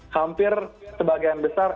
hampir sebagian besar